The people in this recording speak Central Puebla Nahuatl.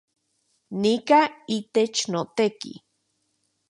Nika itech noteki